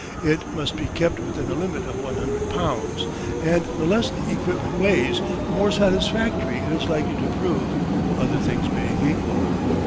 It must be kept within a limit of 100 pounds, and the less the equipment weighs the more satisfactory it is likely to prove, other things being equal.